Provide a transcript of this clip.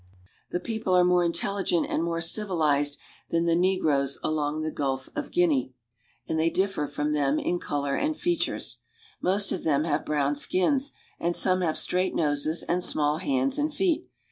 The people are more intelligent and more civilized than the negroes along the Gulf of Guinea, ani^ THE KONGO AND ITS BASTN 229 they differ from them in color and features. Most of them have brown skins, and some have straight noses and small hands and feet.